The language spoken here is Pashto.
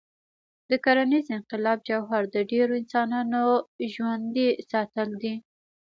د کرنيز انقلاب جوهر د ډېرو انسانانو ژوندي ساتل دي.